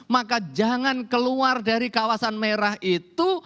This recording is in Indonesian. maka jangan keluar dari kawasan merah itu